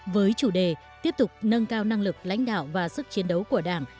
với chủ đề tiếp tục nâng cao năng lực lãnh đạo và sức chiến đấu của đảng